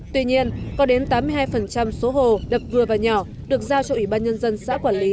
tuy nhiên có đến tám mươi hai số hồ đập vừa và nhỏ được giao cho ủy ban nhân dân xã quản lý